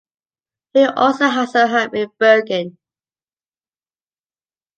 He also has a home in Bergen.